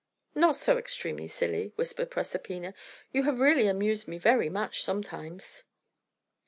"Not so extremely silly," whispered Proserpina. "You have really amused me very much, sometimes."